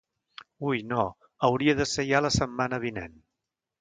Ui no, hauria de ser ja la setmana vinent.